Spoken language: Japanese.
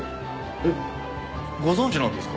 えっご存じなんですか？